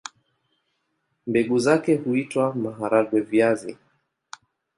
Mbegu zake huitwa maharagwe-viazi.